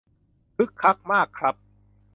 คึกคักมากครับ